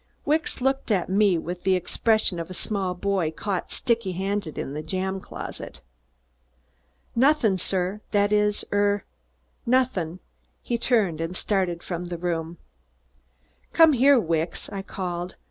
Wicks looked at me with the expression of a small boy caught sticky handed in the jam closet. "Nothing, sir! that is er nothing." He turned and started from the room. "Come here, Wicks!" I called.